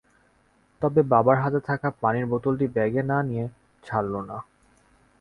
তবে বাবার হাতে থাকা পানির বোতলটি ব্যাগে না নিয়ে ছাড়ল না।